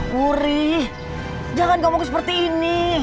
gurih jangan ngomong seperti ini